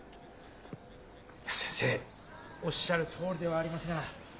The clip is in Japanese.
先生おっしゃるとおりではありますが。